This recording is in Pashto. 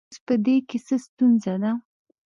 اوس په دې کې څه ستونزه ده